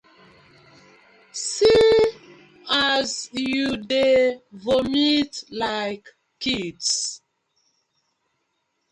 See as yu dey vomit dey kdis.